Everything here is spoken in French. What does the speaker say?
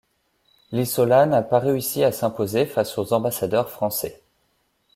Lisola n'a pas réussi à s'imposer face aux ambassadeurs français.